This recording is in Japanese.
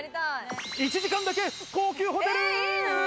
１時間だけ高級ホテル。